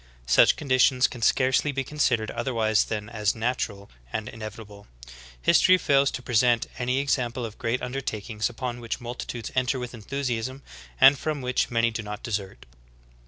Such conditions can scarcely be considered otherwise than as natural and in evitable. History fails to present any example of great undertakings upon which multitudes enter with enthusiasm, and from which many do not desert.